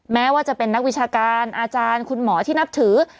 แม้ว่าจะเป็นนักวิชาการอาจารย์คุณหมอที่นับถือ